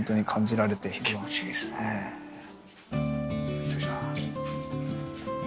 失礼します。